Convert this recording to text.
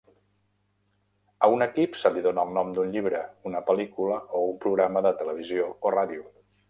A un equip se li dóna el nom d'un llibre, una pel·lícula, o un programa de televisió o ràdio.